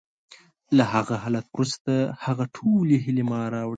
له هغه حالت وروسته، هغه ټولې هیلې ما راوړې